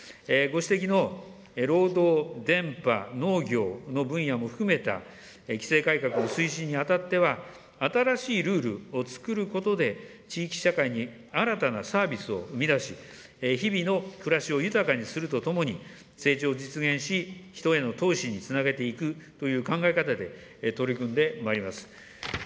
ご指摘の労働、電波、農業の分野も含めた規制改革の推進にあたっては、新しいルールをつくることで、地域社会に新たなサービスを生み出し、日々の暮らしを豊かにするとともに、成長を実現し、人への投資につなげていくという考え方で、取り組んでまいります。